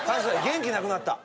元気なくなった。